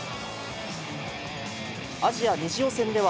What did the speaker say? アジア２次予選では、